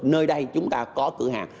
nơi đây chúng ta có cửa hàng